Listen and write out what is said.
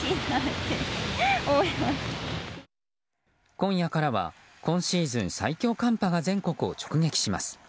今夜からは今シーズン最強寒波が全国を直撃します。